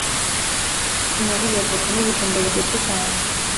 Nariye avoka ni ibijumba biryoshye cyane